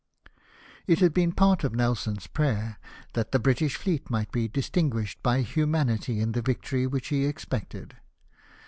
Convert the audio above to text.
It had been part of Nelson's prayer that the British fleet might be distinguished by humanity in the victory which he expected.